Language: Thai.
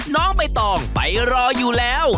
น้องใบตองไปรออยู่แล้ว